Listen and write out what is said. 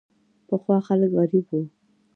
پخوا خلک غریب وو.